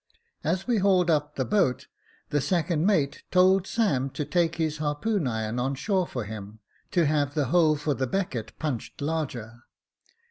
As we hauled up the boat, the second mate told Sam to take his harpoon iron on shore for him, to have the hole for the becket punched larger.